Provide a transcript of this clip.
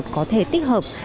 có thể tích hợp